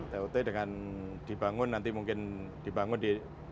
tot kan tot dengan dibangun nanti mungkin nanti kita bisa membeli kapal baru